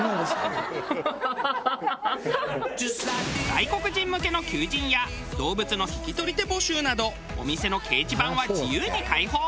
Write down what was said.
外国人向けの求人や動物の引き取り手募集などお店の掲示板は自由に開放。